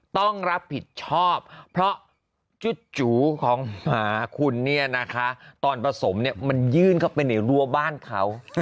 ต้องรับผิดชอบเพราะจูของหมาคุณเนี่ยนะคะตอนผสมมันยื่นเข้าไปในรั้วบ้านเขา